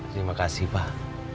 terima kasih pak